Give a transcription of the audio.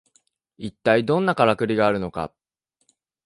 いったいどんなカラクリがあるのか